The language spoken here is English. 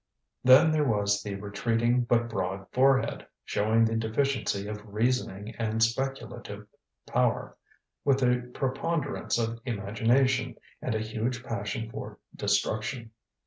Then there was the retreating but broad forehead, showing the deficiency of reasoning and speculative power, with the preponderance of imagination and a huge passion for destruction.